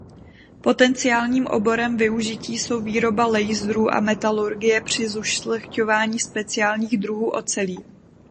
Potenciálním oborem využití jsou výroba laserů a metalurgie při zušlechťování speciálních druhů ocelí.